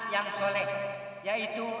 yang soleh yaitu